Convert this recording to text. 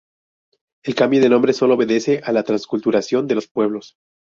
El cambio de nombre solo obedece a la transculturación de los pueblos.